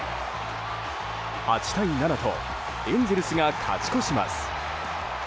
８対７とエンゼルスが勝ち越します。